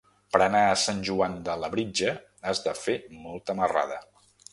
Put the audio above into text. Per anar a Sant Joan de Labritja has de fer molta marrada.